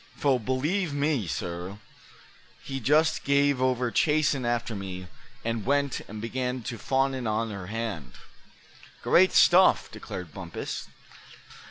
Fo', believe me, suh, he just gave over chasin' after me, and went, and began to fawnin' on her hand." "Great stuff!" declared Bumpus.